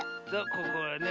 ここをね